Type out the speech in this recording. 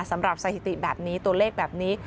สำหรับสถิติแบบนี้ตัวเลขแบบนี้